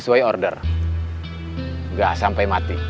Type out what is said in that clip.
kami order gak sampai mati